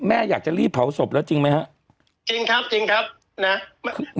แม่อยากจะรีบเผาศพแล้วจริงไหมฮะจริงครับจริงครับนะ